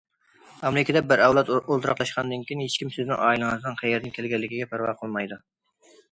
ئامېرىكىدا بىر ئەۋلاد ئولتۇراقلاشقاندىن كېيىن ھېچكىم سىزنىڭ ئائىلىڭىزنىڭ قەيەردىن كەلگەنلىكىگە پەرۋا قىلمايدۇ.